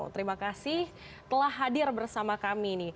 terima kasih telah hadir bersama kami